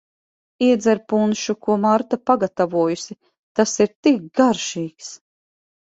Iedzer punšu, ko Marta pagatavojusi, tas ir tik garšīgs.